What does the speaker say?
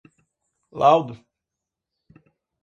laudo